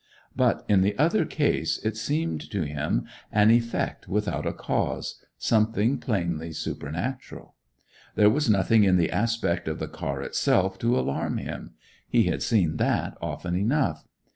But in the other case it seemed to him an effect without a cause something plainly supernatural. There was nothing in the aspect of the car itself to alarm him; he had seen that often enough.